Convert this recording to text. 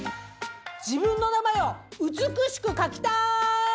自分の名前を美しく書きたーい！